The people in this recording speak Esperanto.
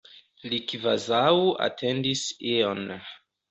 Li kvazaŭ atendis ion.